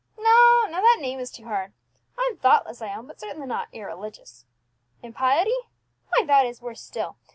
No, no; that name is too hard. I'm thoughtless, I own, but certainly not irreligious. Impiety? Why, that is worse still!